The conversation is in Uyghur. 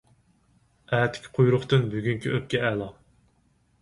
ئەتىكى قۇيرۇقتىن بۈگۈنكى ئۆپكە ئەلا.